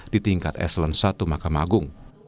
di tingkat eselon satu makam agung